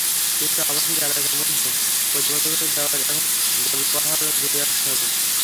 কিন্তু আবাসিক এলাকার মধ্যে প্রতিবন্ধকতা দেওয়ায় এখন গোলপাহাড় ঘুরে আসতে হয়।